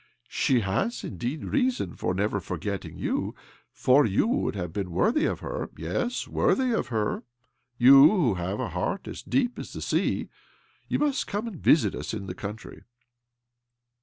" She has indeed reason for never forgetting you, for you would have been worthy of her — yes, worthy of her, you who have a heart as deep as the sea. You must come and visit us in the country."